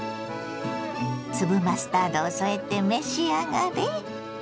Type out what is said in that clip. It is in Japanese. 粒マスタードを添えて召し上がれ。